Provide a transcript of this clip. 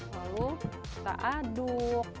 lalu kita aduk